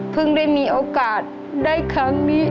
ได้มีโอกาสได้ครั้งนี้